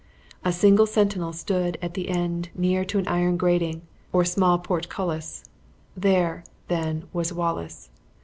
A single sentinel stood at the end near to an iron grating, or small portcullis; there, then, was Wallace!